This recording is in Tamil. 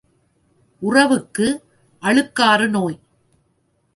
உறவுக்கு, அழுக்காறு நோய்.